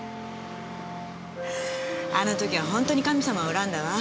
あの時はほんとに神様を恨んだわ。